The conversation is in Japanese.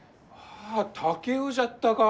あ竹雄じゃったか！